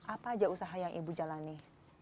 apa aja usaha yang ibu jalani